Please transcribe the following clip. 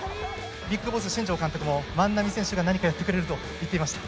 ＢＩＧＢＯＳＳ新庄監督も万波選手が何かやってくれると言っていました。